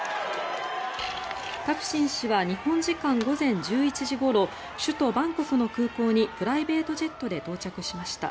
タクシン氏は日本時間午前１１時ごろ首都バンコクの空港にプライベートジェットで到着しました。